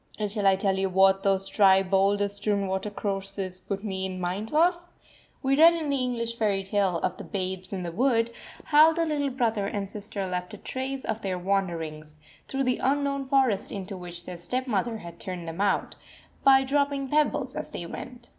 And shall I tell you what those dry, boulder strewn watercourses put me in mind of? We read in the English fairy tale of the Babes in the Wood, how the little brother and sister left a trace of their wanderings, through the unknown forest into which their stepmother had turned them out, by dropping pebbles as they went.